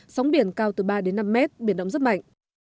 sóng biển cao từ ba đến năm mét biển động rất mạnh